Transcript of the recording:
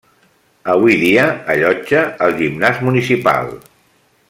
Avui dia allotja el gimnàs municipal.